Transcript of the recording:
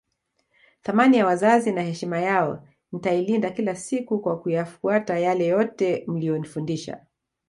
Thamani ya wazazi na heshima yao nitailinda kila siku kwa kuyafuata yale yote mliyonifundisha